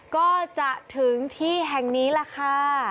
ก็จะถึงที่แห่งนี้แหละค่ะ